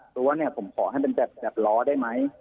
ตัวเนี่ยผมขอให้เป็นแบบล้อได้ไหม